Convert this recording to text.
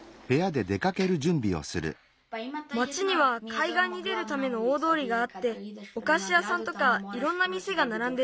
町にはかいがんに出るための大どおりがあっておかしやさんとかいろんなみせがならんでる。